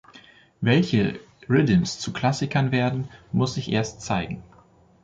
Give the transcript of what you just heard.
Welche Riddims zu Klassikern werden, muss sich erst zeigen.